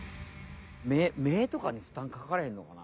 目目とかにふたんかかれへんのかな？